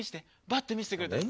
バッと見せてくれたら。